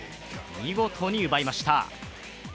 見事に奪いました。